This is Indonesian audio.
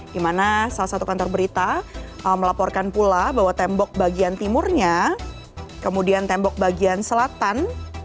di mana salah satu kantor berita melaporkan pula bahwa tembok bagian timurnya kemudian tembok bagian selatan